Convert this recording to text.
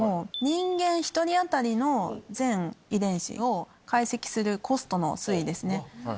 人間１人当たりの全遺伝子を解析するコストの推移ですね。